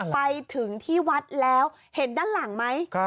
ไปถึงที่วัดแล้วเห็นด้านหลังไหม